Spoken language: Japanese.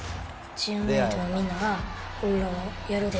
チームメートのみんなが、俺らもやるで！